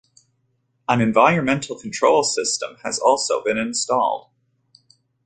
An environmental control system has also been installed.